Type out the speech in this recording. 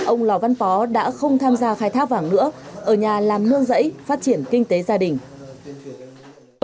ông lò văn phó đã không tham gia khai thác vàng nữa ở nhà làm nương rẫy phát triển kinh tế gia đình